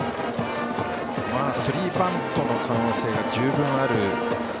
スリーバントの可能性が十分ある。